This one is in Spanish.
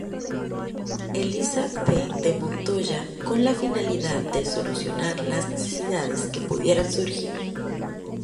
Elisa P de Montoya con la finalidad de solucionar las necesidades que pudieran surgir.